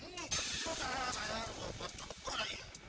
ini udara saya buah buah cukur aja